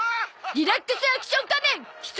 リラックスアクション仮面ひつ